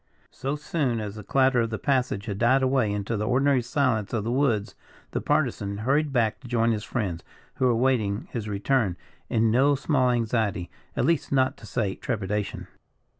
So soon as the clatter of their passage had died away into the ordinary silence of the woods, the Partisan hurried back to join his friends, who were awaiting his return in no small anxiety, at least, not to say trepidation.